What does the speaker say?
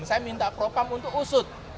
saya minta propam untuk usut